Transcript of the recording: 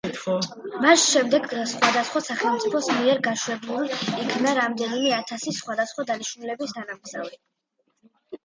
მას შემდეგ სხვადასხვა სახელმწიფოს მიერ გაშვებულ იქნა რამდენიმე ათასი სხვადასხვა დანიშნულების თანამგზავრი.